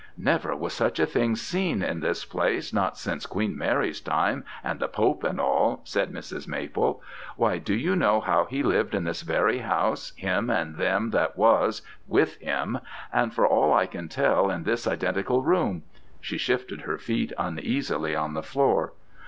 'Never was such a thing seen in this place, not since Queen Mary's times and the Pope and all,' said Mrs. Maple. 'Why, do you know he lived in this very house, him and them that was with him, and for all I can tell in this identical room' (she shifted her feet uneasily on the floor).